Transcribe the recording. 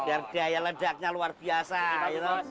biar daya ledaknya luar biasa ya kan